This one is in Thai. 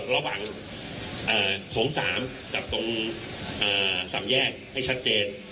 ระหว่างเอ่อโถงสามกับตรงเอ่อสำแยกให้ชัดเจน